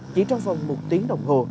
chỉ trong vòng một tiếng đồng hồ